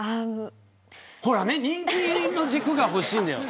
ほら、人気の軸が欲しいんだよ。